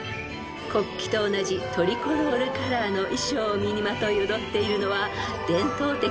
［国旗と同じトリコロールカラーの衣装を身にまとい踊っているのは］